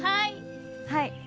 はい！